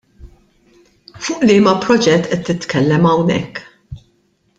Fuq liema proġett qed titkellem hawnhekk?